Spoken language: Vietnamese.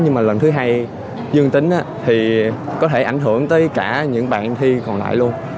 nhưng mà lần thứ hai dương tính thì có thể ảnh hưởng tới cả những bạn thi còn lại luôn